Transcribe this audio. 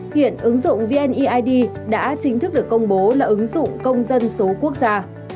hiện ứng dụng vneid đã chính thức được công bố là ứng dụng công dân số quốc gia